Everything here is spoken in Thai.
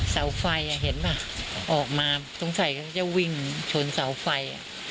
เสาไฟเห็นป่ะออกมาสงสัยก็จะวิ่งชนเสาไฟ